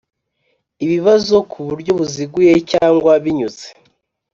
Ibibazo ku buryo buziguye cyangwa binyuze